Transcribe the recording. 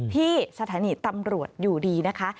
ที่สถานีตำรวจอยู่ดีนะคะ